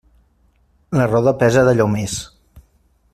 La roda pesa d'allò més.